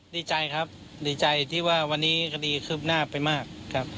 ดีใจครับดีใจที่ว่าวันนี้คดีคืบหน้าไปมากครับ